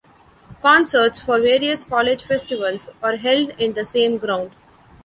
Concerts for various college festivals are held in the same ground.